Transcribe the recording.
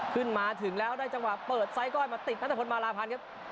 ขึ้นมาถึงแล้วได้จังหวะเปิดไซสก้อยมาติดนัทพลมาลาพันธ์ครับ